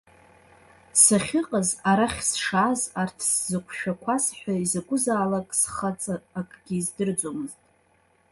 Сахьыҟаз, арахь сшааз, арҭ сзықәшәақәаз ҳәа изакәызаалак схаҵа акгьы издырӡомызт.